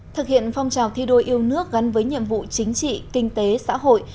thực hiện phong trào thi đua yêu nước gắn với nhiệm vụ chính trị kinh tế xã hội